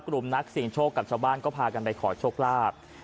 นักเสี่ยงโชคกับชาวบ้านก็พากันไปขอโชคลาภ